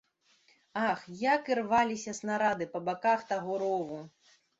Ах, як ірваліся снарады па баках таго рову!